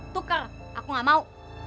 tukar aku gak mau